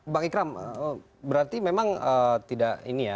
bang ikram berarti memang tidak ini ya